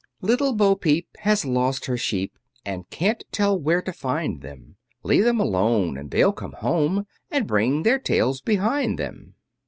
Little Bo peep has lost her sheep, And can't tell where to find them; Leave them alone, and they'll come home, And bring their tails behind them.